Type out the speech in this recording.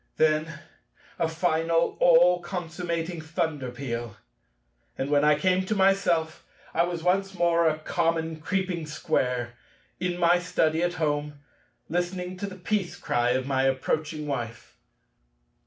Then a final, all consummating thunder peal; and, when I came to myself, I was once more a common creeping Square, in my Study at home, listening to the Peace Cry of my approaching Wife.